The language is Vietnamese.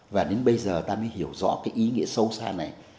và đến bây giờ ta mới hiểu rõ cái ý nghĩa sâu xa này